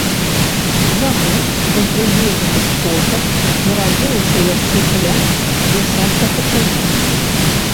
За ноч у прывезеных котак нарадзілася яшчэ каля дзясятка кацянят.